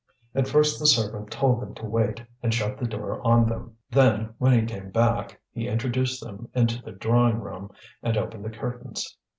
At first the servant told them to wait, and shut the door on them; then, when he came back, he introduced them into the drawing room, and opened the curtains.